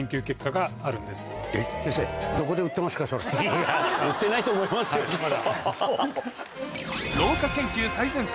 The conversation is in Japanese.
いや売ってないと思いますよまだ。